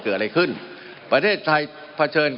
มันมีมาต่อเนื่องมีเหตุการณ์ที่ไม่เคยเกิดขึ้น